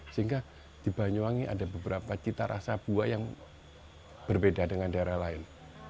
sehingga di banyuwangi ada beberapa cita rasa buah yang berbeda dengan daerah lain